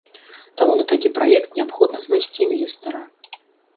Таму на такі праект неабходна знайсці інвестара.